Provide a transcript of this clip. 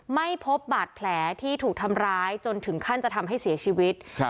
ไม่พบบาดแผลที่ถูกทำร้ายจนถึงขั้นจะทำให้เสียชีวิตครับ